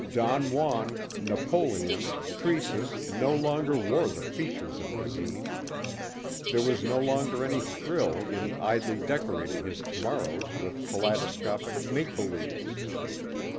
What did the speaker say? Don Juan, Napoleon, Croesus, no longer wore the features of Basine. There was no longer any thrill in idly decorating his tomorrows with kaleidoscopic make believes.